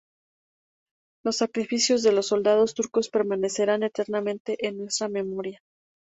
Los sacrificios de los soldados turcos permanecerán eternamente en nuestra memoria.